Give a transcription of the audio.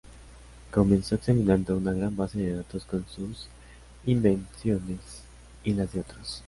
Comenzó examinando una gran base de datos con sus invenciones y las de otros.